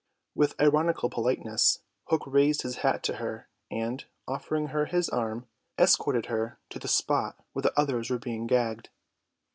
With ironical politeness Hook raised his hat to her, and, offering her his arm, escorted her to the spot where the others were being gagged.